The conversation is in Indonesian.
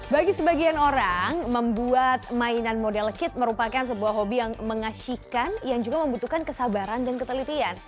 bagi sebagian orang membuat mainan model kit merupakan sebuah hobi yang mengasihkan yang juga membutuhkan kesabaran dan ketelitian